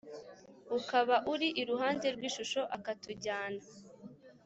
ukaba uri iruhande rw’ishusho akatujyana